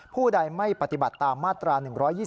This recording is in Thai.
ผู้ใดไม่ปฏิบัติตามมาตรา๑๒๒